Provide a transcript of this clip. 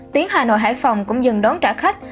tuyến hà nội hải phòng cũng dừng đón trả khách